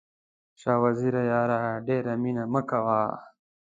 شاه وزیره یاره ډېره مینه مه کوه.